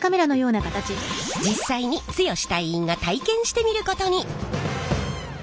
実際に剛隊員が体験してみることに！